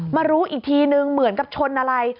มารู้อีกทีนึงเหมือนกับชนอะไร